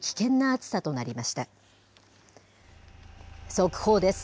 速報です。